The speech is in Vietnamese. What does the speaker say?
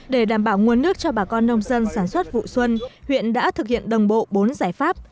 để đảm bảo nguồn nước cho bà con nông dân sản xuất vụ xuân huyện đã thực hiện đồng bộ bốn giải pháp